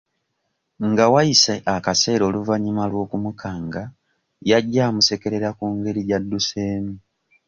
Nga wayise akaseera oluvannyuma lw'okumukanga yajja amusekerera ku ngeri gy'adduseemu.